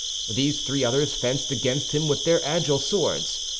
These three others fenced against him with their agile swords.